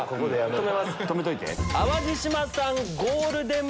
止めといて。